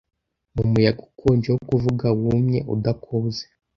mu muyaga ukonje wo kuvuga wumye udakuze